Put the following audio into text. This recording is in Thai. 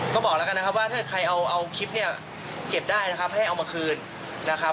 ก็บอกแล้วกันนะครับว่าถ้าใครเอาคลิปเนี่ยเก็บได้นะครับให้เอามาคืนนะครับ